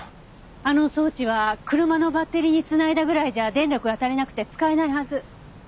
あの装置は車のバッテリーに繋いだぐらいじゃ電力が足りなくて使えないはず。